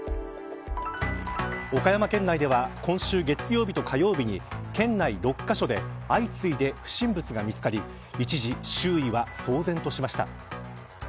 岡山県内では今週、月曜日と火曜日に県内６カ所で相次いで不審物が見つかり一時、周囲は騒然としました。